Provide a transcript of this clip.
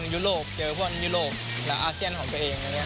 ยุโรปเจอพวกยุโรปและอาเซียนของตัวเอง